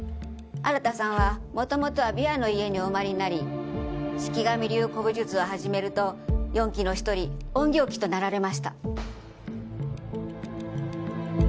新さんはもともとは琵琶の家にお生まれになり四鬼神流古武術を始めると四鬼の一人隠形鬼となられました。